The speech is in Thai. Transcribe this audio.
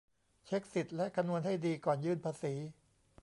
เช็กสิทธิ์และคำนวณให้ดี ก่อนยื่นภาษี